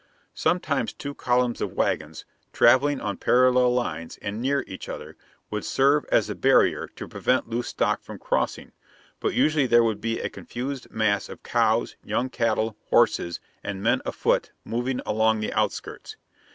Sometimes two columns of wagons, traveling on parallel lines and near each other, would serve as a barrier to prevent loose stock from crossing; but usually there would be a confused mass of cows, young cattle, horses, and men afoot moving along the outskirts.